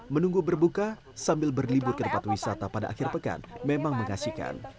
menunggu berbuka sambil berlibur ke tempat wisata pada akhir pekan memang mengasihkan